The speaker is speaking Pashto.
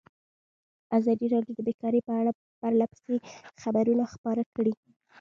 ازادي راډیو د بیکاري په اړه پرله پسې خبرونه خپاره کړي.